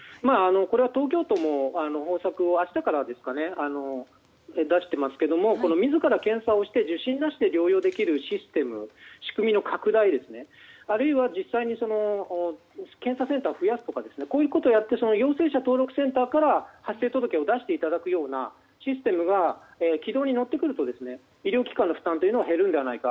これは東京都も方策を明日から出していますが自ら検査をして受診なしで療養できるシステム仕組みの拡大、あるいは実際に検査センターを増やすとかこういうことをやって陽性者登録センターから発生届を出していただけるようなシステムが軌道に乗ってくると医療機関の負担というのは減るのではないか。